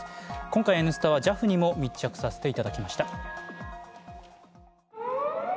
今回「Ｎスタ」はＪＡＦにも密着させていただきました。